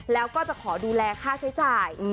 แล้วก็จะขอดูแลค่าใช้จ่าย